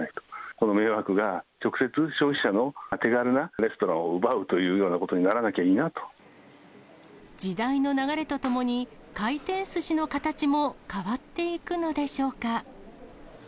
この迷惑が直接、消費者の手軽なレストランを奪うというようなことにならなきゃい時代の流れとともに、回転すしの形も変わっていくのでしょうか。